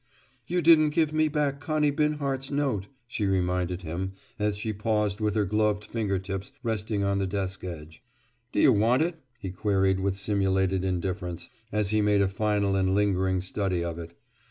"You didn't give me back Connie Binhart's note," she reminded him as she paused with her gloved finger tips resting on the desk edge. "D'you want it?" he queried with simulated indifference, as he made a final and lingering study of it.